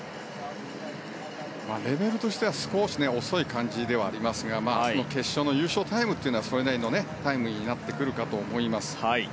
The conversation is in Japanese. レベルとしては少し遅い感じではありますが明日の決勝の優勝タイムというのはそれなりのタイムになってくるかと思います。